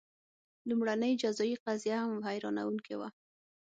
لومړنۍ جزايي قضیه هم حیرانوونکې وه.